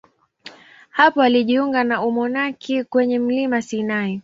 Hapo alijiunga na umonaki kwenye mlima Sinai.